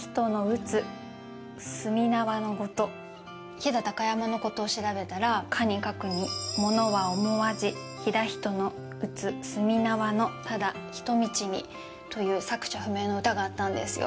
飛騨高山のことを調べたらかにかくに物は思はじ飛騨人の打つ墨縄のただ一道にという作者不明の歌があったんですよ。